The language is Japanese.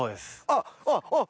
あっあっあっ！